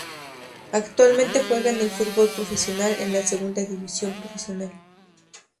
Actualmente juega en el fútbol profesional, en la Segunda División Profesional.